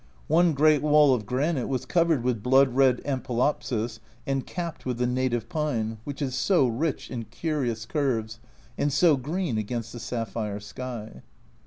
One great wall of granite was covered with blood red ampelopsis and capped with the native pine, which is so rich in curious curves, and so green against the sapphire sky.